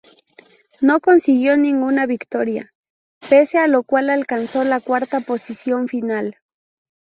No consiguió ninguna victoria, pese a lo cual alcanzó la cuarta posición final.